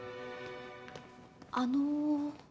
あの。